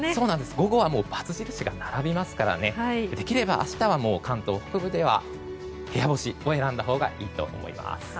午後は×印が並びますからできれば明日は関東北部では部屋干しを選んだほうがいいと思います。